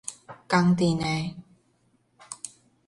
仝陣的